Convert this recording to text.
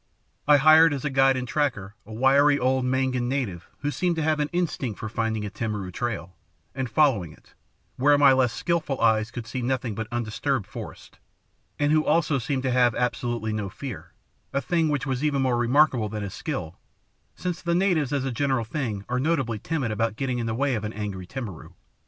"I hired as a guide and tracker, a wiry old Mangyan native who seemed to have an instinct for finding a 'timarau' trail and following it where my less skillful eyes could see nothing but undisturbed forest, and who also seemed to have absolutely no fear, a thing which was even more remarkable than his skill, since the natives as a general thing are notably timid about getting in the way of an angry 'timarau.'